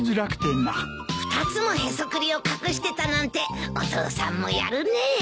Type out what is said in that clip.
２つもへそくりを隠してたなんてお父さんもやるねえ。